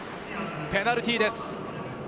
ペナルティーです。